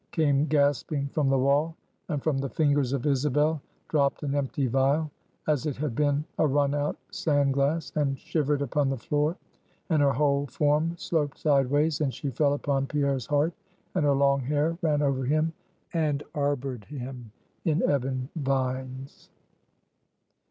came gasping from the wall; and from the fingers of Isabel dropped an empty vial as it had been a run out sand glass and shivered upon the floor; and her whole form sloped sideways, and she fell upon Pierre's heart, and her long hair ran over him, and arbored him in ebon vines.